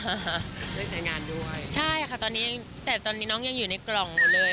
ด้วยสายงานด้วยใช่ค่ะตอนนี้แต่ตอนนี้น้องยังอยู่ในกล่องหมดเลย